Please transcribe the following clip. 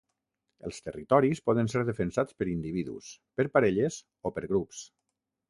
Els territoris poden ser defensats per individus, per parelles o per grups.